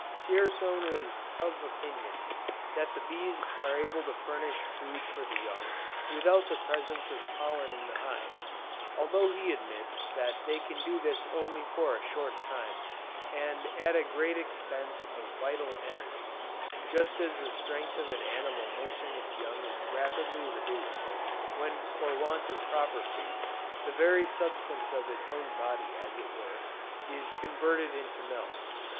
Dzierzon is of opinion that the bees are able to furnish food for the young, without the presence of pollen in the hive; although he admits that they can do this only for a short time, and at a great expense of vital energy; just as the strength of an animal nursing its young is rapidly reduced, when for want of proper food, the very substance of its own body as it were, is converted into milk.